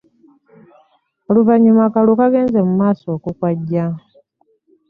Oluvannyuma akalulu kaagenze mu maaso okukwajja